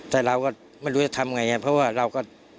แต่เราก็ไม่รู้จะทำไงเพราะว่าเราก็